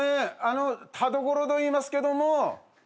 あのタドコロといいますけども。